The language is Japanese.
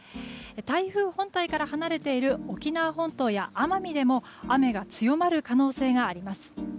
台風本体から離れている沖縄本島や奄美でも雨が強まる可能性があります。